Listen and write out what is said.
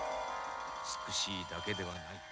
美しいだけではない。